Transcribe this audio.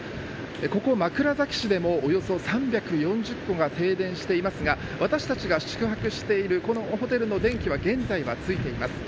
ここ、枕崎市でもおよそ３４０戸が停電していますが私たちが宿泊しているこのホテルの電気は現在はついています。